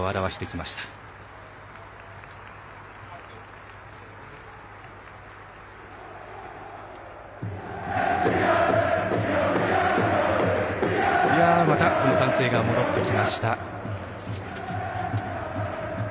また歓声が戻ってきました。